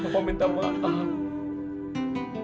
bapak minta maaf